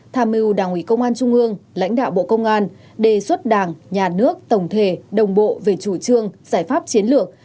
tham mưu đảng ủy công an trung ương lãnh đạo bộ công an đề xuất đảng nhà nước tổng thể đồng bộ về chủ trương giải pháp chiến lược